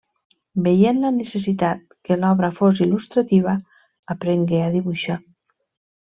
Veient la necessitat que l'obra fos il·lustrativa, aprengué a dibuixar.